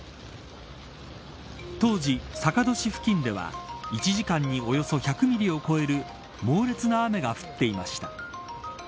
当時、坂戸市付近では１時間におよそ１００ミリを超える猛烈な雨が降っていました。